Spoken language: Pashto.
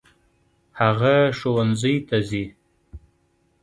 هغه ښوونځي ته ځي.